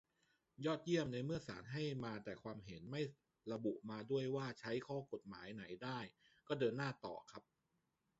ยอดเยี่ยม ในเมื่อศาลให้มาแต่ความเห็น ไม่ระบุมาด้วยว่าใช้ข้อกฎหมายไหนได้ ก็เดินหน้าต่อครับ